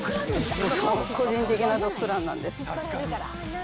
個人的なドッグランなんです。